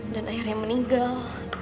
dan akhirnya meninggal